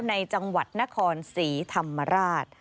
ในจังหวัดนครศรีธรรมราช